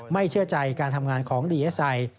เชื่อใจการทำงานของดีเอสไอ